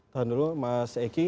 tahan dulu mas eky